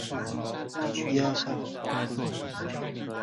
宽苞黄芩为唇形科黄芩属下的一个种。